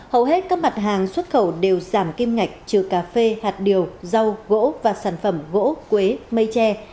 hầu hết các mặt hàng xuất khẩu đều giảm kim ngạch trừ cà phê hạt điều rau gỗ và sản phẩm gỗ quế mây tre